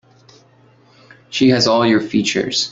She has all your features.